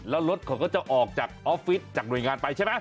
แล้วรถเขาก็จะออกจากออฟฟิศจากหน่วยงานไปใช่ไหม